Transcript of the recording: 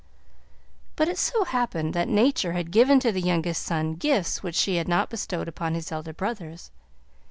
But it so happened that Nature had given to the youngest son gifts which she had not bestowed upon his elder brothers.